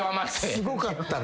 すごかったな。